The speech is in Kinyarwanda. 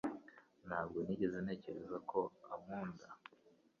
Ntabwo nigeze ntekereza ko ankunda.